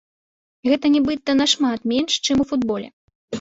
Гэта нібыта нашмат менш, чым у футболе.